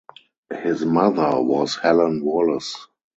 His mother was Helen Wallace.